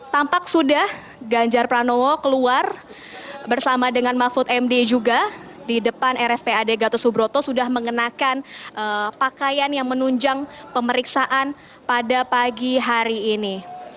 tampak sudah ganjar pranowo keluar bersama dengan mahfud md juga di depan rspad gatot subroto sudah mengenakan pakaian yang menunjang pemeriksaan pada pagi hari ini